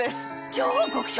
超極小！